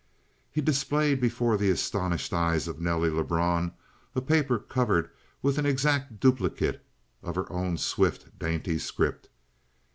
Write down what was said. He displayed before the astonished eyes of Nelly Lebrun a paper covered with an exact duplicate of her own swift, dainty script.